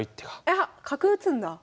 あっ角打つんだ。